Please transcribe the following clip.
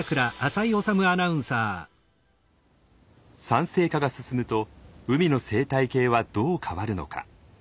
酸性化が進むと海の生態系はどう変わるのか？